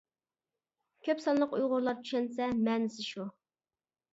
كۆپ سانلىق ئۇيغۇرلار چۈشەنسە، مەنىسى شۇ.